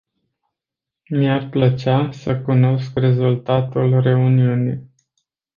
Mi-ar plăcea să cunosc rezultatul reuniunii.